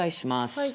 はい。